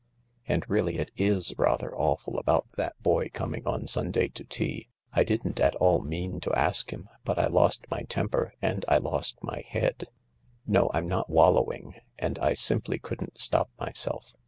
And really, it is rather awful about that boy coming on Sunday to tea. I didn't at all mean to ask him, but I lost my temper and I lost my head— no, I'm not wallowing— and I simply couldn't stop myself.